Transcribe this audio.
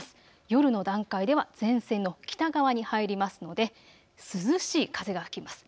夜の段階では前線の北側に入りますので涼しい風が吹きます。